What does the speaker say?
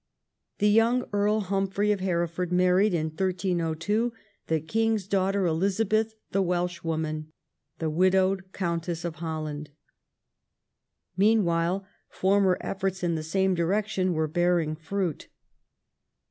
The young Earl Humphrey of Hereford married in 1302 the king's daughter Eliza beth the Welshwoman, the widowed Countess of Holland. Meanwhile former eff"orts in the same direc tion Avere bearing fruit.